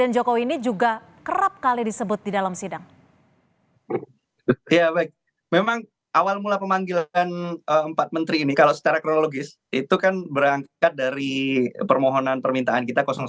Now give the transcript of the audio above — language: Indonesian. ya baik memang awal mula pemanggilan empat menteri ini kalau secara kronologis itu kan berangkat dari permohonan permintaan kita satu